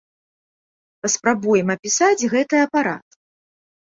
Паспрабуем апісаць гэты апарат.